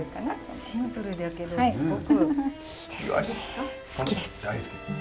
シンプルだけどすごくいいですね。